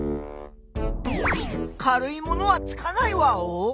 軽いものはつかないワオ？